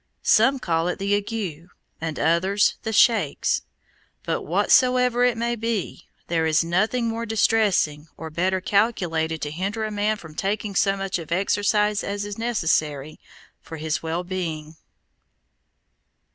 Some call it the ague, and others, the shakes; but whatsoever it may be, there is nothing more distressing, or better calculated to hinder a man from taking so much of exercise as is necessary for his well being.